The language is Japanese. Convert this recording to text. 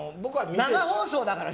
生放送だからね！